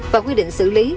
và quy định xử lý